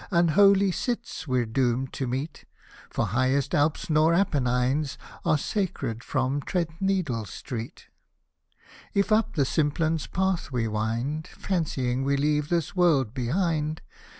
Unholy cits we're doomed to meet ; For highest Alps nor Apennines Are sacred from Threadneedle Street ! If up the Simplon's path we wind. Fancying we leave this world behind.